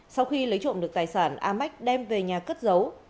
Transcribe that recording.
sau khi lấy trộm được tài sản amex đem về nhà cất giấu